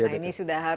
nah ini sudah harus